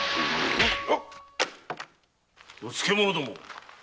うつけ者ども！